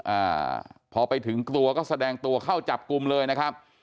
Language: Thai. อ่าพอไปถึงตัวก็แสดงตัวเข้าจับกลุ่มเลยนะครับ